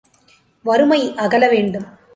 வறுமை அகல வேண்டும்!